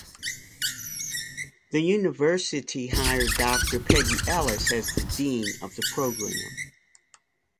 The university hired Doctor Peggy Ellis as the dean of the program.